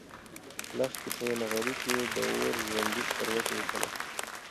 لښتې په نغري کې د اور ژوندي سکروټي وپلټل.